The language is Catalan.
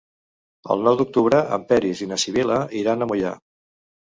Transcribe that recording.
El nou d'octubre en Peris i na Sibil·la iran a Moià.